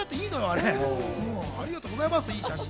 ありがとうございます、いい写真。